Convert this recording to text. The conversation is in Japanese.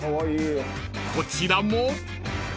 ［こちらも］